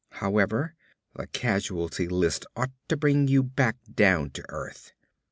However, the casualty list ought to bring you back down to earth."